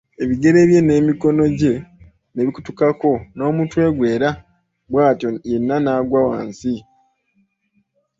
Ebigere bye n'emikono gye ne bikutukako n'omutwe gwe era bw'atyo yenna n'agwa wansi.